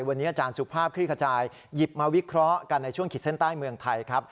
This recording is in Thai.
วันนี้อาจารย์สุภาพคลี่ขจายหยิบมาวิเคราะห์กันในช่วงขีดเส้นใต้เมืองไทยครับ